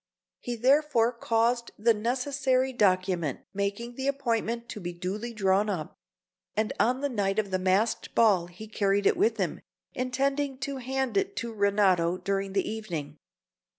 He therefore caused the necessary document making the appointment to be duly drawn up; and on the night of the masked ball he carried it with him, intending to hand it to Renato during the evening.